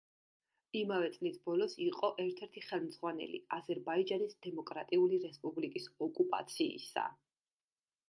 იმავე წლის ბოლოს იყო ერთ-ერთი ხელმძღვანელი აზერბაიჯანის დემოკრატიული რესპუბლიკის ოკუპაციისა.